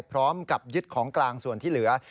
พร้อมกับยึดของกลางส่วนที่เหลือ